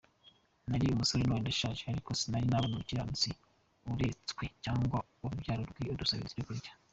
Nari umusore none ndashaje, Ariko sinari nabona umukiranutsi aretswe, Cyangwa urubyaro rwe rusabiriza ibyokurya.